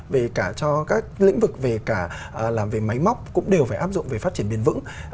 về cả cho các lĩnh vực về cả làm về máy móc cũng đều phải áp dụng về phát triển bền vững